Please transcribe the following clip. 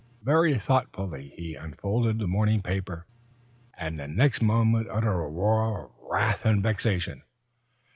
Very thoughtfully he unfolded the morning paper, and the next moment uttered a roar of wrath and vexation.